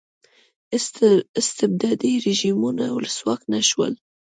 استبدادي رژیمونو ولسواک نه شول.